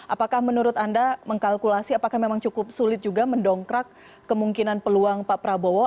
apakah menurut anda mengkalkulasi apakah memang cukup sulit juga mendongkrak kemungkinan peluang pak prabowo